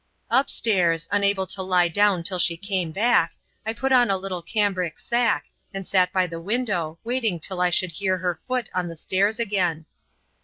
Up stairs, unable to lie down till she came back, I put on a little cambric sack and sat by the window waiting till I should hear her foot on the stairs again.